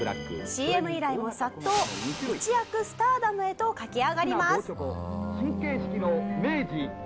「ＣＭ依頼も殺到」「一躍スターダムへと駆け上がります」